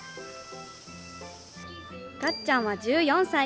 がっちゃんは１４歳。